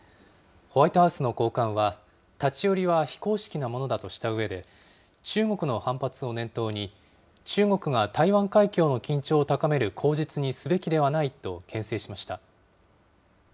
ホワイトハウスの高官は、立ち寄りは非公式なものだとしたうえで、中国の反発を念頭に、中国が台湾海峡の緊張を高める口実にすべきではないとけん制しました。